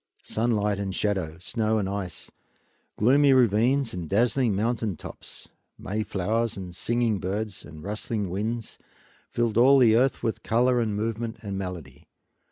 Sunlight and shadow, snow and ice, gloomy ravines and dazzling mountain tops, mayflowers and singing birds and rustling winds filled all the earth with color and movement and melody.